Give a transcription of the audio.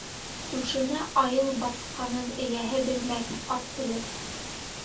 Түшенә айыл батҡанын эйәһе белмәҫ, ат белер.